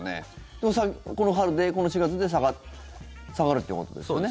でも、この春、この４月で下がるってことですね。